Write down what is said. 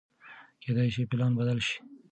کېدای شي پلان بدل شي.